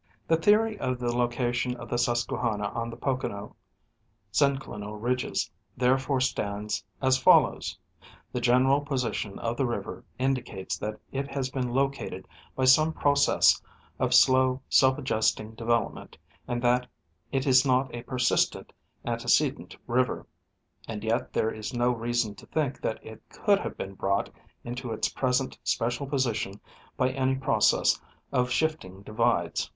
The theory of the location of the Susquehanna on the Pocono synclinal ridges therefore stands as follows. The general position of the river indicates that it has been located by some process of slow self adjusting development and that it is not a persistent * Amer. Journ. Science, xxxv, 1888, 121, 134. The Rivers and Valleys of Pennsylvania. 243 antecedent river ; and yet there is no reason to think that it could have been brought into its present special position by any process of shifting divides.